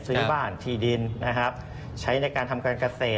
ซื้อบ้านที่ดินนะครับใช้ในการทำการเกษตร